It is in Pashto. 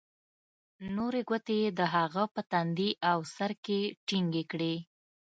نورې گوتې يې د هغه په تندي او سر کښې ټينگې کړې.